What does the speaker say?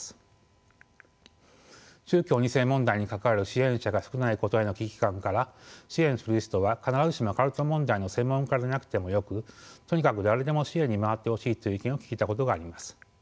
宗教２世問題に関わる支援者が少ないことへの危機感から支援する人は必ずしもカルト問題の専門家でなくてもよくとにかく誰でも支援に回ってほしいという意見を聞いたことがあります。